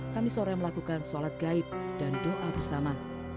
kami sore melakukan sholat gaib dan doa bersama